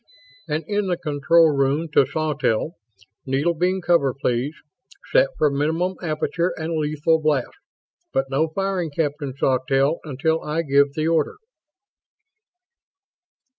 And in the control room, to Sawtelle, "Needle beam cover, please; set for minimum aperture and lethal blast. But no firing, Captain Sawtelle, until I give the order."